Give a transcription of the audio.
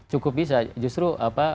cukup bisa justru